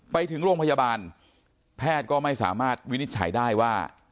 ไปถึงโรงพยาบาลแพทย์ก็ไม่สามารถวินิจฉัยได้ว่า